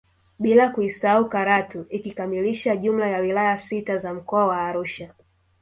Bila kuisahau Karatu ikikamilisha jumla ya wilaya sita za mkoa wa Arusha